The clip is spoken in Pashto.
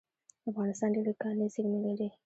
افغانستان ډیرې کاني زیرمې لري